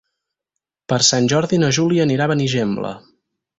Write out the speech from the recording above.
Per Sant Jordi na Júlia anirà a Benigembla.